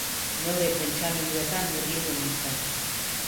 Neure pentsamenduetan murgildu nintzen